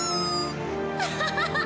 アハハハ！